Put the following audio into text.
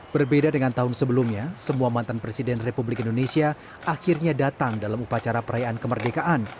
berbeda dengan tahun sebelumnya semua mantan presiden republik indonesia akhirnya datang dalam upacara perayaan kemerdekaan